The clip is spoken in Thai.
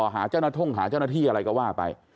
หาเจ้าหน้าที่หาเจ้าหน้าที่อะไรก็ว่าไป